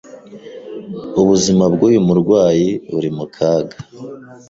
Ubuzima bwuyu murwayi buri mu kaga.